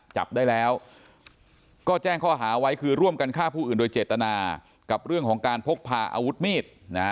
จับได้แล้วก็แจ้งข้อหาไว้คือร่วมกันฆ่าผู้อื่นโดยเจตนากับเรื่องของการพกพาอาวุธมีด